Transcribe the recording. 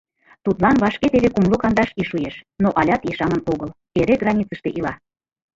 Тудлан вашке теве кумло кандаш ий шуэш, но алят ешаҥын огыл, эре границыште ила...